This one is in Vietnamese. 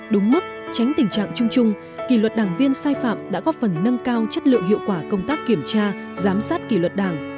đúng mức tránh tình trạng chung chung kỳ luật đảng viên sai phạm đã góp phần nâng cao chất lượng hiệu quả công tác kiểm tra giám sát kỷ luật đảng